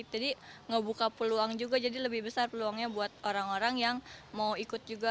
jadi ngebuka peluang juga jadi lebih besar peluangnya buat orang orang yang mau ikut juga